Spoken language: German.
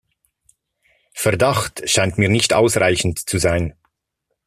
Verdacht scheint mir nicht ausreichend zu sein.